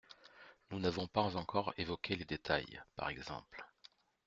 Nous n’avons pas encore évoqué les détails, par exemple…